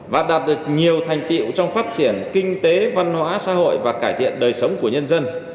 và đạt được nhiều thành tiệu trong phát triển kinh tế văn hóa xã hội và cải thiện đời sống của nhân dân